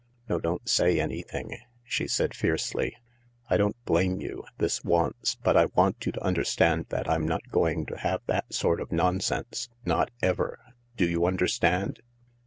No, don't say anything," she said fiercely. " I don't blame you — this once ; but I want you to understand that I'm not going to have that sort of nonsense. Not ever. Do you understand